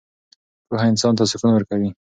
پوهه انسان ته سکون ورکوي.